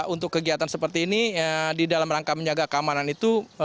untuk kegiatan seperti ini di dalam rangka menjaga keamanan itu